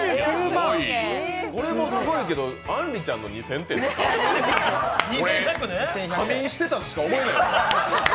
これもすごいけどあんりちゃんの２１００点って仮眠してたとしか思えない。